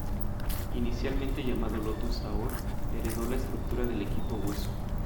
Inicialmente llamado Lotus-Zahor heredó la estructura del equipo Hueso.